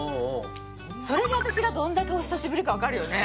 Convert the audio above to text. それで私がどんだけお久しぶりか分かるよね